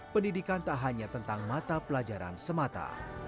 pendidikan tak hanya tentang mata pelajaran semata